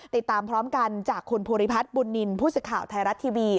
ติดตามพร้อมกันจากคุณภูริพัฒน์บุญนินทร์ผู้สื่อข่าวไทยรัฐทีวี